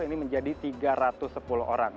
ini menjadi tiga ratus sepuluh orang